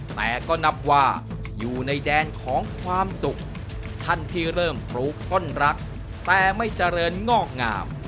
แต่ก็นับว่าอยู่ในแดนของความสุขท่านที่เริ่มปลูกต้นรักแต่ไม่เจริญงอกงาม